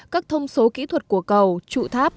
các thông số kỹ thuật của cầu trụ tháp